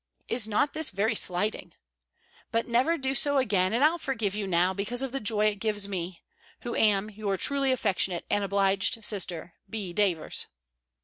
Is not this very slighting! But never do so again, and I'll forgive you now because of the joy it gives me; who am your truly affectionate and obliged sister, B. DAVERS.